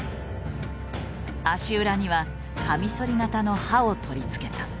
足裏にはカミソリ形の刃を取り付けた。